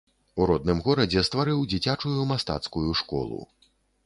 У родным горадзе стварыў дзіцячую мастацкую школу.